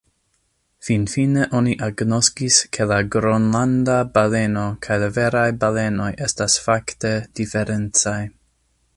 Finfine, oni agnoskis, ke la Gronlanda baleno kaj la veraj balenoj estas fakte diferencaj.